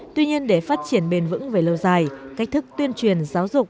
tuy nhiên để phát triển bền vững về lâu dài cách thức tuyên truyền giáo dục